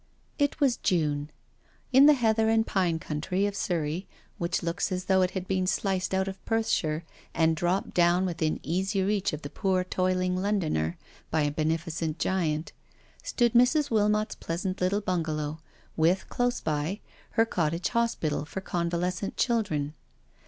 It was June. In the heather and pine country of Surrey, which looks as though it had been sliced out of Perthshire, and dropped down within easy reach of the poor toiling Londoner, by a beneficent giant, stood Mrs. Wilmot's pleasant little bungalow, with, close by, her cottage hospital for convalescent children.